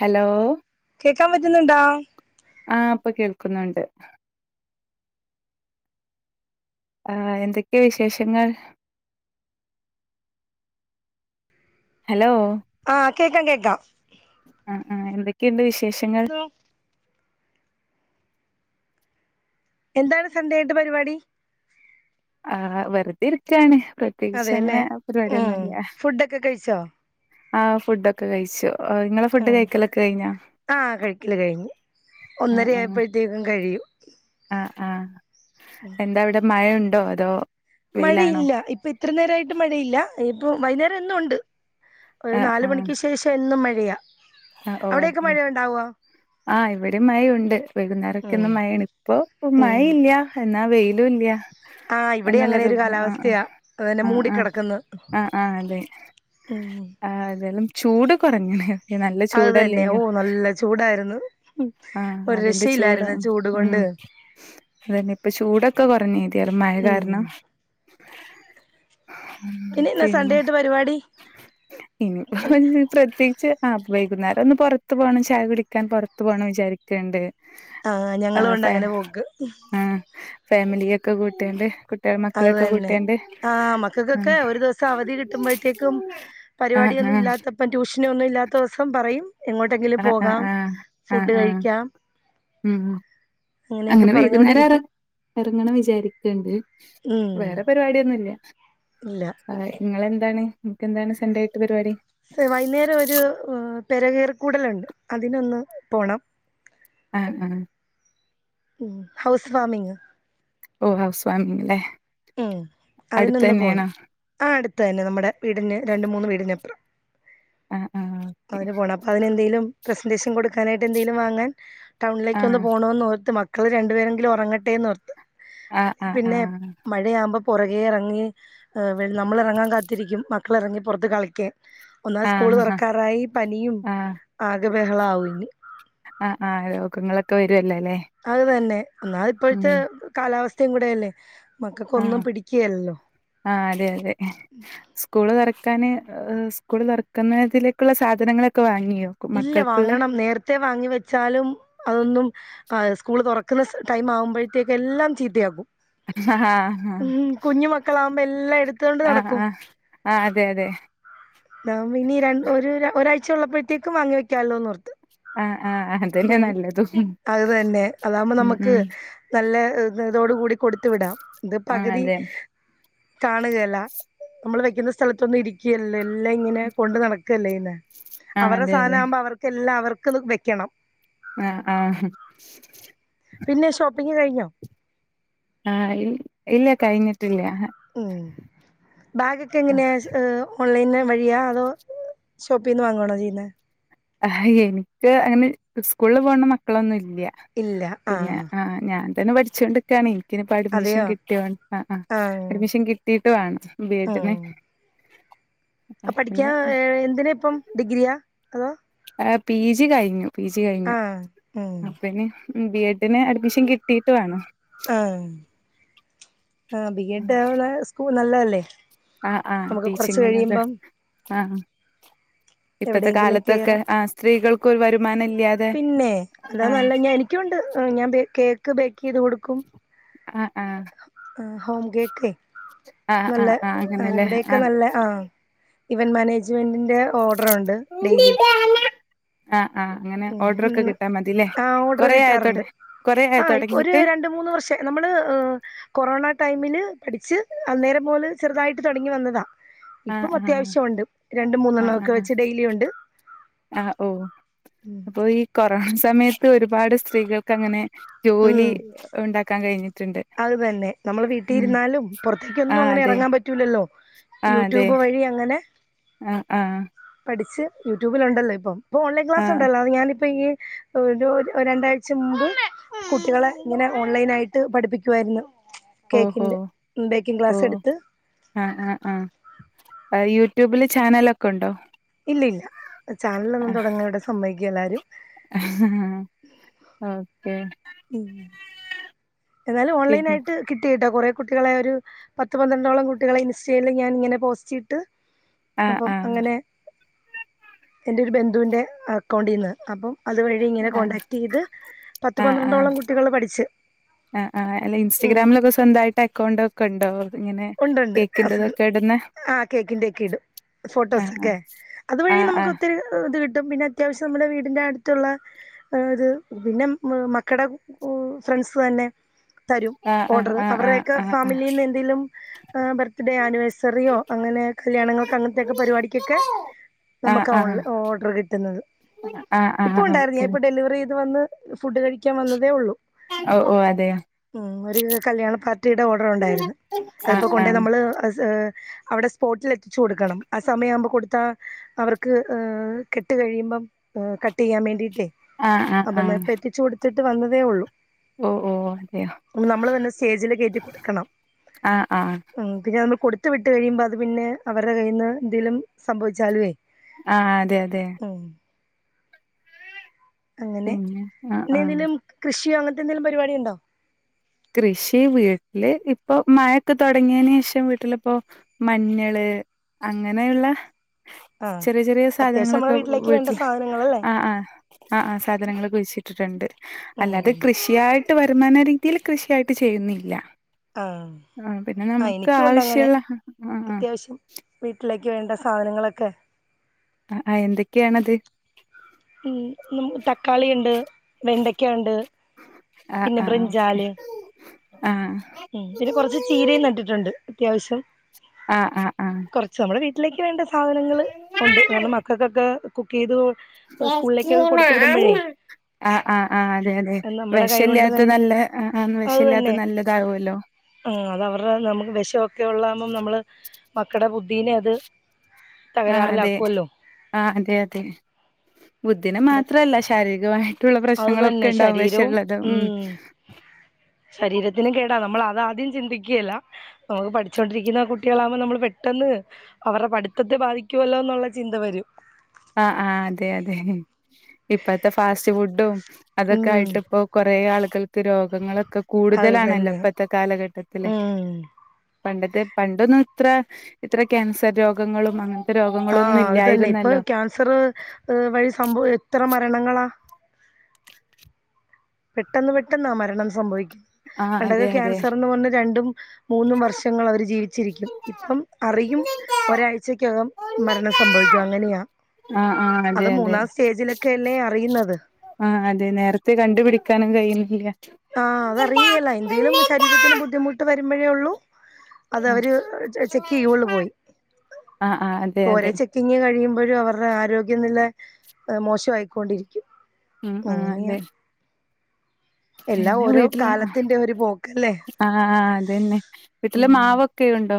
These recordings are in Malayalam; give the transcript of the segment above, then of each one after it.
ഹലോ കേക്കാൻ പറ്റുന്നുണ്ടോ ആഹ ഇപ്പൊ കേൾക്കുന്നുണ്ട് ആ എന്തൊക്കെയാ വിശേഷങ്ങൾ ഹലോ ആ കേക്കാം കേക്കാം ആ എന്തൊക്കെയുണ്ട് വിശേ വിശേഷങ്ങൾ എന്താണ് സന്ധ്യയിട്ട് പരിപാടി ആ വെറുതെരിക്കാണ് അതെല്ലേ ഉം ഫുഡൊക്കെ കഴിച്ചോ ആ ഫുഡ്‌ ഒക്കെ കഴിച്ചു ആ, നിങ്ങളെ ഫുഡ് ഉം കഴിക്കലൊക്കെ കഴിഞ്ഞോ ആഹ കഴിക്കില്ല കഴിഞ്ഞു ഒന്നര ആയപ്പോഴത്തേക്കും കഴിയും ഓക്കെ [inaudible] [unintelligible] ആഹ് ആ [unintelligible] എന്താ ഇവിടെ മഴണ്ടോ അതോ വെയിലാണോ മഴയില്ല ഇപ്പ ഇത്ര നേരയിട്ട് മഴയില്ല ഇപ്പൊ വൈന്നേരം എന്നും ഉണ്ട് ഒരു ആ ആ നാല് മണിക്ക് ശേഷം എന്നും മ എയ ആ ഓ അതെ ആ ഇവിടെ മഴ ഉണ്ട് ഉം വൈകുന്നേരൊക്കന്ന് മഴയാണ് ഇപ്പൊ മഴ ഉം ഇല്ല എന്നാ വെ തു ഇല്ലാ ആഹ് [unintelligible] ഇവിടെ അങ്ങനെ എന്നുള്ളത് ഒരു [unintelligible] കാലാവസ്ഥയാ അതന്നെ അ ആ അ മൂടിക്കിടക്കുന്നു ആ അ ആ [unintelligible] അതെ ഉം ആ [unintelligible] അതല്ല ചൂട് കുറഞ്ഞ മഴക്കേ നല്ല [unintelligible] അത് തന്നെ ഓ നല്ല ചൂടായിരുന്നു ആഹ് ഒരു അതിന്റെ രഷ്യയിലായിരുന്നു ഉം ചൂട് ഉം കൊണ്ട് ഒക്കെ കുറഞ്ഞ് എറെ മഴ കാരണം ഉം ഇന്ന് സൺഡേ പിന്നെ ആയിട്ട് പരിപാടി ഇനിപ്പോ പ്രത്യേകിച്ച് [unintelligible] ആ [unintelligible] വൈകുന്നേരൊന്ന് പുറത്ത് പോകണം ചായ കുടിക്കാൻ പുറത്ത്പോണം വിചാരിക്ക്ണ്ട് ആ ഞങ്ങള് ആഹ് ഫ ഉണ്ട് അങ്ങനെ പോക്ക് ആഹ് ഫാമിലിയൊക്കെ കൂട്ടിയാണ്ട് കുട്ടികൾ അത് മക്കളെയൊക്കെ തന്നെ കൂട്ടിയാണ്ട് ആ മക്കൾക്കൊക്കെ ഒരു ദിവസം അവധി കിട്ടുമ്പോഴത്തേക്കും ആഹ് ആഹ് പരിപാടിയൊന്നും ആഹ് ഇല്ലാത്തപ്പ ടൂഷ നൊ ഒന്നും ഇല്ലാത്ത ദിവസം പറയും എങ്ങോട്ടെങ്കിലും ആഹ് ആഹ് പോകാം ഫുഡ് കഴിക്കാം മ്മ് [unintelligible] അങ്ങനെയൊക്കെ അങ്ങനെ വൈകുന്നേരം ഇറ പറഞ്ഞോണ്ടിരിക്കും ഇറങ്ങണം വിചാരിക്ക്ണ്ട് ഉം വേറെ പരിപാടി ഒന്നുല്ല ഇല്ല ങ്ങ എന്താണ് ൻക്ക എന്താണ് സൺഡേ ആയിട്ട് പരിപാടി വൈന്നേരം ഒരു പെരകേർ കൂടല്ണ്ട് അതിനൊന്ന് പോണം അ ആ മ്മ് ഹൗസ് വാമിങ് ഓ ഹൗസ് വാമിങ്ങല്ലേ മ്മ് അതിനൊന്ന് പോണം ആ അട് ത്തന്നെ നമ്മടെ വീടിന് രണ്ട് മൂന്ന് വീടിനപ്പറം ആഹ് പ്പതിന് പോണം അപ്പൊ അതിനെന്തെങ്കലും പ്രസന്റേഷൻ കൊടുക്കാനായിട്ട് എന്തേങ്കിലും വാങ്ങാൻ ടൗണിലേകക്കൊന്ന് ആഹ് പോണോന്ന് ഓർത്ത് മ മക്കള് രണ്ടുപേരെങ്കിലും ഉറങ്ങ ട്ടെന്നോർത്ത് ആഹ് ആഹ് പിന്നെ ആഹ് വുമ്പോ പുറകെ ഇറങ്ങി വെ നമ്മള് ഇറങ്ങാൻ കാത്തിരിക്കും മക്കള് ഇറങ്ങി പൊറത്ത് കളിക്കാൻ ഒന്നാത് സ്കൂള് ആഹ് ആഹ് ആഹ് തുറക്കാറായി പനിയും ആഹ് ആകെ ബഹളാവുംന് അല്ലെ അത് തന്നെ എന്നാൽ ഇപ്പോഴത്തെ കാലാവസ്ഥ സ്ഥക്കൂടല്ലേ ആ ആ അതെ അതെ സ്കൂള് തുറക്ക ക്കാന് സ്കൂള് തൊ റക്കുന്നതിലേക്കുള്ള സാധനങ്ങളൊക്കെ വാങ്ങി ഇല്ല വാങ്ങണം നേരത്തെ വാങ്ങി വെച്ചാലും അതൊന്നും ആ സ്കൂള് തൊറക്കുന്ന ടൈം ആകുമ്പോഴേക്കും എല്ലാം ചീത്തയാക്കും ആഹ് ആഹ് ഉം കുഞ്ഞു മക്കളാ മെല്ലാം എടുത്ത് ആ ആ ആ അതെ അതെ ഹലോ ഇനി രണ്ട ഒരു ഒരാഴ്ച്ച ച്ച യുള്ളപ്പത്തെ ക്ക് വാങ്ങി വക്കാല്ലോന്നോറ്ത്ത് ആഹ് ആഹ് അതന്നെ ഉം നല്ലതും അതന്നെ അതാകുമ്പോ ഉം നമുക്ക് ഉം നല്ലെ തോട് കൂടി കൊടുത്തു വിടാം ഇത് ആഹ് പകതി അതെ കാണുകേല്ല നമ്മള് വെക്കുന്ന സ്ഥലത്തൊന്നും ഇരിക്കേലല്ലോ എല്ലാം ഇങ്ങനെ കൊണ്ട് നടക്കല്ലേ ചെയ്യുന്നേ ആഹ് അവരടെ അതെ സാധനം ആകുമ്പോ അവർക്കെല്ലാം അവർക്ക് ക്കത് വെക്കണം ആ ആഹ് പിന്നെ ഷോപ്പിംഗ് കഴിഞ്ഞോ ആഹ് ഇ ഇല്ല കഴിഞ്ഞി ഉം ബാഗക്കെഎങ്ങനെയാ ഓൺലൈന് വഴിയാ അതോ ഷോപ്പിന്ന് വാങ്ങുവാണോ ചെയ്യുന്നേ ആ എനിക്ക് അങ്ങനെ സ്കൂളില് പോകണ്ട മക്കളൊന്നുംല്ല ല്ല ഇല്ല പിന്നെ ആഹ് ആ ഞാ ന്നെ പഠിച്ചുകൊണ്ടിക്കാണേ എനിപ്പോ അഡ്മിഷൻ അതെയോ കിട്ടിയോ ആ ആ ആഹ് അഡ്മിഷൻ കിട്ടീട്ട് വേണം ബി എഡിന് അപ്പ പിന്നെ പഠിക്കാഏ എന്തിനാ ഇപ്പം ഡിഗ്രിയാ അതോ എ പി ജി കഴിഞ്ഞു പി ജി കഴിഞ്ഞു ആഹ് ഉം അപ്പനി ബി എഡിന് അഡ്മിഷൻ കിട്ടിയിട്ടു വേണം ആ ബി എഡ് ആവുവനെ സ്കൂ കു നല്ല അല്ലേ ആ ആ ടീച്ചിങ്ങിനൊക്കെ ആ ഹ ഇപ്പഴത്തെ എവിടെയെങ്കിലും കാലത്തൊക്കെ കേറാം ആ സ്ത്രീകൾ കോയിവരും പിന്നെ അതാ നല്ല എനിക്കുണ്ട് ഞാൻ കേ ക്ക് ബേക്ക് ചെയ്ത് കൊടുക്കും ആ ആ ഹോം കേക്ക് ആഹ് നല്ല ആഹ് ആ അങ്ങനെല്ലേ ഇവിടെയൊക്കെ ആഹ് നല്ല ആ ഇവൻ മാനേജ്മെന്റിന്റെ ഓ ർണ്ട് ഡെയിലി ആ ഉ ആ ഓർഡർ കൊറേ ആയോ തൊട കിട്ടാറുണ്ട് കൊറേ ആ ആയോ ഇപ്പൊ ഒരു തൊടങ്ങീട്ട് രണ്ട മൂന്ന് വർഷം നമ്മള് കൊറോണ ടൈമില് പഠിച്ച് അന്നേരം മുല്ല് ചെറുതായി്ട്ട് തുടങ്ങി വന്നതാ ആഹ് ഇപ്പം ആഹ് അത്യാവശ്യ ഉണ്ട് രണ്ട് മൂന്നെണ്ണം ആഹ് ഒക്കെ ആഹ് വെച്ച് ഡെയിലി ഉണ്ട് ആഹ് ഓഹ് അപ്പൊ ഈ കൊറോണ സമയത്ത് ഒരുപാട് സ്ത്രീകൾക്ക് അങ്ങനെ ജോലി ഉം ഉണ്ടാക്കാൻ കഴിഞ്ഞിട്ടുണ്ട് അത് തന്നെ നമ്മൾ വീട്ടിൽ ഉം ഇരുന്നാലും പുറത്തേക്കൊന്നും ആഹ് അങ്ങനെ അതെ ഇറങ്ങാൻ പറ്റൂലല്ലോ ആഹ് അതെ യൂട്യൂബ് വഴി അങ്ങനെ ഏ ആഹ് ആ പഠിച്ച് യൂട്യൂബിലൊണ്ടല്ലോ ഇപ്പം ഇപ്പം ഓൺലൈൻ ആഹ് ക്ലസ്ണ്ടല്ലോ അത് ഞാനിപ്പം ഈ രണ്ടാഴ്ച മുമ്പ് കുട്ടികളെ ഇങ്ങനെ ഓൺലൈൻ ആയിട്ട് പഠിപ്പിക്ക പൂവായിരുന്നു ഓഹോ ഓ എടുത്ത് ആഹ ആ ആഹ് അ യൂട്യൂബില് ചാനലൊക്കെ ഒണ്ടോ ഇല്ലില്ല ചാനലൊന്നും തൊടങ്ങാ ഇവിടെ സമ്മതിക്കേല്ലാരും ഓക്കെ ഉം എന്നാലും ഓൺലൈൻ പിന്നെ ആയിട്ട് കിട്ടി കേട്ടാ കൊറെ കുട്ടികളെ ഒരു പത്ത് പന്ത്രണ്ടോളം കുട്ടികളെ ഇൻസ്റ്റയിൽ ഞാൻ ഇങ്ങനെ പോസ്റ്റ് ഇട്ട് ആഹ് അപ്പം ആഹ് അങ്ങനെ എന്റെ ഒരു ബന്ധുവിന്റെ അക്കൗണ്ടിൽ നിന്ന് അപ്പം അതുവഴി ഇങ്ങനെ ആഹ് കോടാക്ട് ചെയ്ത് പത്തു പന്ത്രണ്ടോളം കുട്ടികള് പഠിച്ച് ആ ആ അല്ലെ ഇൻസ്റ്റഗ്രാമിലൊക്കെ സ്വന്തായിട്ട് അക്കൗണ്ട് ഒക്കെ ഇ ഇണ്ടോ ഉണ്ട് ഉണ്ട് അഫ് ആ കേക്കിന്റെ ഒക്കെ ഇടും ഫോട്ടോസ് ആഹ് ഒക്കെ അതുവഴി ആഹ് നമുക്ക് ഒത്തിരി ഇത് കി ട്ടും പിന്നെ അത്യാവശ്യം നമ്മുടെ വീടിൻ്റെ അട്ത്തുള്ള ഒരു പിന്നെ മക്കടെ ഉം ഫ്രണ്ട്സ് തന്നെ തരും ആഹ് ആഹ് ഓഡർ ആഹ് അവർടെയൊക്കെ ആഹ് ആഹ് ഫാമിലിന്ന് എന്തെലും പ്പ ബർത്ത് ഡേ ആനിവേഴ്സറിയോ അങ്ങനെ കല്യാങ്ങൾക്ക് അങ്ങൻത്തെക്കെ പരിപാടിക്കൊക്കെ ആഹ് നമുക്ക് ഓൺൽ ആഹ് ഓർഡർ കിട്ട്ന്നത് ആഹ് ഇപ്പ ആഹ് ആഹ് ഉണ്ടായിരുന്നു ഞാൻ ഓക്കെ ഇപ്പോ ഡെലിവറി ചെയ്ത് വന്ന് ഫുഡ് കഴിക്കാൻ വന്നതേ ഒള്ളു ഓ ഓ അതെയോ ഉം ഒര് കല്യാണ പാർട്ടിയുടെ ഓർഡർ ഉണ്ടായിരുന്നു ആഹ് അതിപ്പോ കൊണ്ടെയ് ആഹ് നമ്മൾ അസ് അവിടെ സ്പോട്ടിൽ എത്തിച്ചു കൊട്ക്കണം ആ സമയ ആവുമ്പോ കൊട്ത്താ അവർക്ക് ഹ് കെട്ട് കഴിയുമ്പം ഹ് കട്ട് ചെയ്യാൻ വേണ്ടി ആ ആ ആ ത്തിട്ട് വന്നതെ ഒള്ളു അതെയോ നമ്മൾ തെന്നെ സ്റ്റേജില് കെറ്റി കൊട്ക്കണം ആ ആ ന്നെ നമ്മൾ കൊട്ത്ത് വിട്ട് കഴിയിമ്പോ അത് പിന്നെ അവർടെ കയ്യിന്ന് എന്തെലും സംഭവിച്ചാലെ ആ അതെ അതെ അങ്ങനെ പിന്നെ ആഹ് ഇന്നെ ആഹ് എന്തേലും കൃഷിയോ അങ്ങൻ എന്തെലും പരിപാടി ഉണ്ടോ കൃഷി വീട്ടില് ഇപ്പൊ മഴക്കെ തൊടങ്ങേനേഷം വീട്ടിലിപ്പോ മഞ്ഞള് അങ്ങനെയുള്ള ആഹ് ചെറ്യെ ചെറ്യെ അത്യാവശ്യം നമ്മളെ സാധനങ്ങളൊക്കെ വീട്ടിലേക്ക് വേണ്ട വീട്ടില സാധനങ്ങളല്ലേ അഹ് അഹ് അഹ് അഹ് സാധനങ്ങളൊക്കെ കുഴിച്ചിട്ടിട്ട്ണ്ട് ഉം അല്ലാതെ കൃഷിയായി വരുമാനൊ രി ഇതില് കൃഷ്യായിട്ട് ചെയ്യുന്നുല്ല ആഹ് ആഹ് പിന്നെ ആഹ് നമക്ക് എനിക്കുണ്ട് അങ്ങനെ ആവശ്യള്ള ആഹ് ആഹ് അത്യാവശ്യം വീട്ടിലേക്ക് വേണ്ട സാനങ്ങളൊക്കെ അഹ് ആഹ് എന്തൊക്കെയാണത് ഉം നമുക്ക് തക്കാളിയിണ്ട് വെണ്ടക്കേണ്ട് ആഹ് പിന്നെ ആഹ് ഓക്കെ ബ്രിഞ്ചാലെം ആഹ് ഉം പിന്നെ കൊറച്ച് ചീരയും നട്ടിട്ടുണ്ട് അത്യാവശ്യം അഹ് അഹ് ആഹ് ലേക്ക് വേണ്ട സാ സാധനങ്ങൾ ഒണ്ട് ന്നാലു മക്കക്കൊക്കെ കുക്കയ്‍തൂ അഹ് അഹ് ആഹ് അതെ അതെ അത് നമ്മുടെ കൈകൊണ്ട് വെഷല്ലാത്ത തന്നെ നല്ല അഹ് അഹ് അത് വെഷല്ലാത്ത തന്നെ നല്ലതാവൊല്ലോ വഷൊക്കെ ഉള്ളാകുമ്പോം നമ്മള് മക്കടെ ബുദ്ധീനെ അത് ആ അതെ തകരാറിലാക്കുവല്ലോ ആഹ് അതെ അതെ ബുദ്ധിനെ മാത്രല്ല ശാരീരികമായി അത് തന്നെ ശരീരവും ഉം ശരീരത്തിന് കേടാ നമ്മൾ അതാദ്യം ചിന്തി ക്കേല്ല നമുക്ക് പഠിച്ചോണ്ടിരിക്കുന്ന കുട്ടികളാകുമ്പോ നമ്മള് പെട്ടെന്ന് അവരുടെ പഠിത്തത്തെ ബാധിക്കോല്ലോന്നുള്ള ചിന്ത വരും അ ആഹ് അതെ അതെ ഇപ്പത്തെ ഫാസ്റ്റ് ഫുഡും അതൊക്കെ ഉം ആയിട്ട് ഇപ്പോ കൊറേ ആൾ മക്കൾക്ക്‌ രോഗങ്ങളൊ ക്കെ അത് കൂടുതലാണല്ലോ തന്നെ ഇപ്പത്തെ കാലഘട്ടത്തില് ഉം പണ്ടത്തെ പണ്ടൊന്നും ഇത്ര ഇത്ര ക്യാൻസർ രോഗങ്ങളും അങ്ങന രോഗങ്ങളൊന്നും ഇല്ലായിരുന്നല്ലോ സർ വഴി സംഭവം എത്ത് ത്ര മരണങ്ങളാ പെട്ടെന്ന് പെട്ടെന്നാ മരണം സംഭവിക് ആഹ് പണ്ടൊക്കെ അതെ അതെ ക്യാൻസർ എന്ന് പറഞ് രണ്ടും മൂന്നും വർഷങ്ങൾ അവര് ജീവി ച്ചിരിക്കും ഇപ്പം അറിയും ഒരാഴ്ചക്കകം മരണം സംഭവിക്കും അങ്ങനെയാ ആഹ് ആഹ് അത് അതെ അതെ മൂന്നാം സ്റ്റേജിലൊക്കെ അല്ലേ അറിയുന്നത് പിടിക്കാനും കയ്യിന്നില്ല ആ അതറിയേല്ല എന്തേലും ശരീരത്തിന് ബുദ്ധിമുട്ട് വ രുംമ്പയേ ഒള്ളൂ അതവര് ചെക്ക് ചെയ്യോള്ളു പോയി ആഹ് ആഹ് അതെ ഓരെ അതെ ചെക്കിങ് കഴിയു പ്പഴും അവരുടെ ആരോഗ്യനില മോശമായിക്കൊണ്ടിരിക്കും ആ അതെ അങ്ങനെയാ എല്ലാം പിന്നെ ഓരോ വീട്ടില അ കാലത്തിന്റെ ഒരു പോക്കല്ലേ ആ ആ അതെന്നെ വീട്ടില് ഉം മാവൊക്കെയുണ്ടോ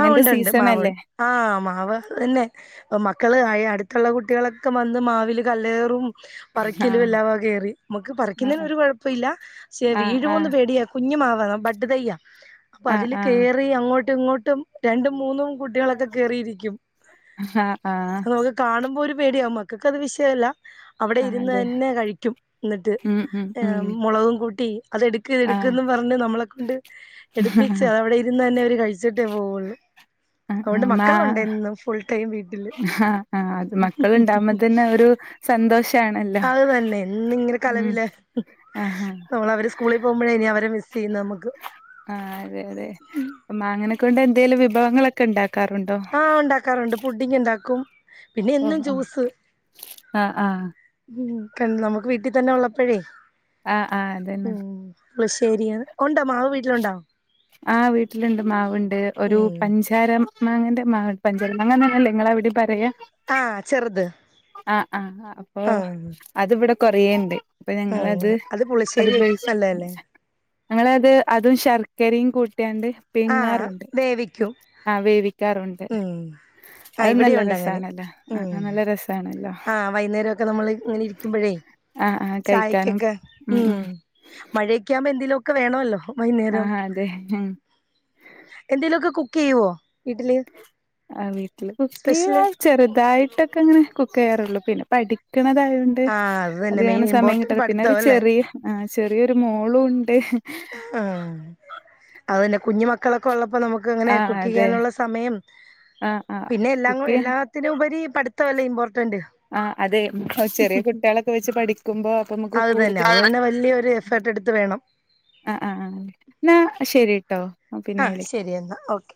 ആ ഒണ്ട്ണ്ട് മാവൊണ്ട് ആ മാവ് അ തന്നെ ഇപ്പ മക്കള് ആയെ അടുത്തുള്ള കുട്ടികളൊക്കെ വന്ന് മാവിൽ കല്ലേറും പറിക്കലും ആഹ് എല്ലാം കേറി നമുക്ക് പറിക്കുന്നതിന് ആഹ് ഒരു കൊഴപ്പല്ല പക്ഷേ ആഹ് ആഹ് വീഴോന്ന്പേടിയ കുഞ്ഞുമാ ആ ബഡ് തെയ്യാ അപ്പ ആഹ് അതില് ആഹ് കേറി അങ്ങോട്ട് [unintelligible] ഇങ്ങോട്ടും രണ്ടും മൂന്നും കുട്ട്യാളൊക്കെ കേറിയിരിക്കും ആഹ് ആഹ് നമുക്ക് കാണുമ്പോ ഒരു പേടിയാ മക്കക്ക് അത് വിഷയല്ല അവിടെ ആഹ് ഇരുന്ന് അതെ തന്നെ കഴിക്കും എന്നിട്ട് ഉം ഉം ഏ ഉം മൊളകും കൂട്ടി അതെടുക്ക് ആഹ് എടുക്ക്ന്ന് ‌ പറഞ്ഞ് നമ്മളെകൊണ്ട് എടുപ്പിച്ചു ആഹ് അതവിടെ ഇരുന്ന് തന്നെ അവർ കഴിച് ന്റെ [unintelligible] [inaudible] അതൊണ്ട് മക്കളുണ്ടെന്നും ഫുൾ ടൈം വീട്ടില് ആ ആ അത് മക്കളുണ്ടാവുമ്പോ തന്നെ അത് ഒരു സന്തോഷാണ് അത് തന്നെ ഇന്നിങ്ങനെ കലപില നമ്മള് അവര് സ്കൂളിൽ പോകുമ്പോഴാഇനി അവരെ മിസ് ചെയ്യുന്നു നമുക്ക് ആ അതെ അതെ അ [unintelligible] വിടെ എന്തേലും വിഭവങ്ങളൊക്കെ ഇണ്ടാക് ആ ഒണ്ടാക്കാറുണ്ട് പുഡ്‌ഡിങ് ഇണ്ടാക്കും പിന്നെ എന്നും ഓഹ് ആഹ് ജൂസ് ആഹ് ആഹ് ക്കെ നമുക്ക് വീട്ടിൽ തന്നെ ഒള്ളപ്പഴേ ആഹ് ആ അതന്നെ പുളിശ്ശേരി ആണ് ഒണ്ടോ മാവ് വീട്ടിലുണ്ടോ ആ വീട്ടിലുണ്ട് മാവുണ്ട് ഒരു ഉം പഞ്ചാരം മാങ്ങന്റെ മാ പഞ്ചാല മാങ്ങനന്നല്ലേ നിങ്ങടെ അവിടെ പറയ ആ ചെറുത് ആ ആഹ് അപ്പൊ ആഹ് അതിവിടെ കുറേയുണ്ട് അപ്പൊ ഞങ്ങളത് ആഹ് അത് പുളിശ്ശേരി വെക്കാൻ അത്പറിച്ച് നല്ലതല്ലേ ഞങ്ങളത് അതും ശർക്കരയും കൂടി ആഹ് വേവിക്കും ആഹ വേവിക്കാറുണ്ട് ഉം ആഹ് അത് നല്ല ഇവിടെയുണ്ട് അങ്ങനെ രസമാണല്ലോ ഉം ആ നല്ല രസണല്ലോ ആഹ് വൈകുന്നേരമൊക്കെ നമ്മള് ഇങ്ങനെ ഇരിക്കുമ്പോഴേ ആആ കഴിക്കാനും ചായക്കൊക്കെ ഉം ഉം ഇപ്പോ എന്തേലുമൊക്കെ വേണോലോ ആഹ അതെ ഉം എന്തേലുമൊക്കെ കുക്ക് ചെയ്യുവോ വീട്ടില് ആ വീട്ടില് കുക്കു സ്പെഷ്യല് ചെയ്യും ചെറുതായിട്ട് ഇട്ടൊക്കെ അങ്ങനെ കുക്ക് ചെയ്യാറുള്ളു പിന്നെ പടി നിക്കണതയോണ്ട് ആഹ് അത് തന്നെ അധികം മെയിൻ അങ്ങനെ സമയം ഇമ്പോർട്ടന്റ് കിട്ടല്ല പിന്നെ ഒരു പഠിത്തം അല്ലേ ചെറിയ ആം ചെറിയൊരു മോളും ഉണ്ട് ആഹ് അത് തന്നെകുഞ്ഞു മക്കളൊക്കെ ഉള്ളപ് ഇപ്പോ നമുക്കങ്ങനെ ആ കുക്ക് അതെ ചെയ്യാനുള്ള സമയം ആ ആ പിന്നെ എല്ലാം കുക്ക് ചെയ്യാൻ എല്ലാത്തിനുപരി പടുത്തവല്ലേ ഇമ്പോർട്ട് ആ അതെ ചെറിയ കുട്ടികളൊക്കെ വെച്ച് പഠി ക്കുമ്പോ നമുക്ക് അത് തന്നെ കൂടുതൽ ആ അത് തന്നെ വലിയൊരു എഫേർട്ട് എടുത്ത് വേണം ആ ആ എന്നാ ശരീട്ടോ പിന്നെ ആഹ് വിളിക്കാം ശരി എന്നാ ഓക്കെ